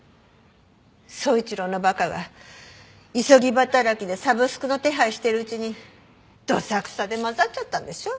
壮一郎の馬鹿が急ぎ働きでサブスクの手配してるうちにどさくさで交ざっちゃったんでしょ。